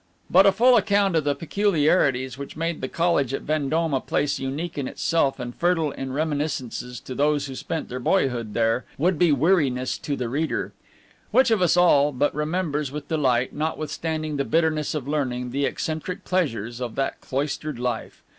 But a full account of the peculiarities which made the college at Vendome a place unique in itself and fertile in reminiscences to those who spent their boyhood there, would be weariness to the reader. Which of us all but remembers with delight, notwithstanding the bitterness of learning, the eccentric pleasures of that cloistered life?